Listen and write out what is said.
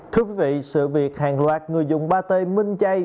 thưa quý vị sự việc hàng loạt người dùng ba t minh chay